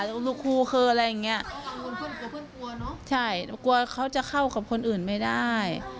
ลูกครูเคออะไรอย่างเงี้ยใช่กลัวเขาจะเข้ากับคนอื่นไม่ได้